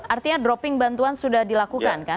artinya dropping bantuan sudah dilakukan kan